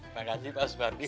makasih pak soepardi